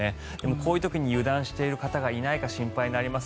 こういう時に油断している方がいないか心配になります。